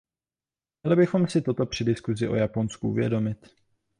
Měli bychom si toto při diskusi o Japonsku uvědomit.